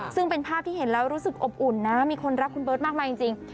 ซึ่งเป็นภาพที่เห็นแล้วรู้สึกอบอุ่นนะมีคนรักคุณเบิร์ตมากจริง